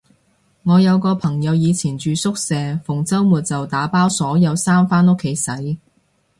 我有個朋友以前住宿舍，逢周末就打包所有衫返屋企洗